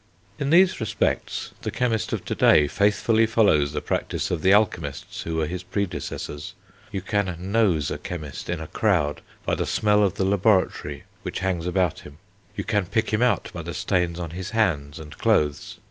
In these respects the chemist of to day faithfully follows the practice of the alchemists who were his predecessors. You can nose a chemist in a crowd by the smell of the laboratory which hangs about him; you can pick him out by the stains on his hands and clothes.